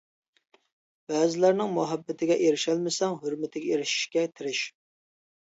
بەزىلەرنىڭ مۇھەببىتىگە ئېرىشەلمىسەڭ، ھۆرمىتىگە ئېرىشىشكە تىرىش.